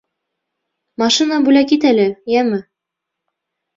Машина бүләк ит әле, йәме!..